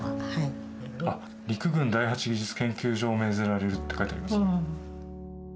「陸軍第八技術研究所を命ぜられる」って書いてあります。